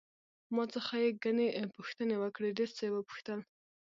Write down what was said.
له ما څخه یې ګڼې پوښتنې وکړې، ډېر څه یې وپوښتل.